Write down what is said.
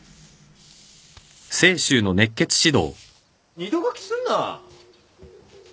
二度書きすんな！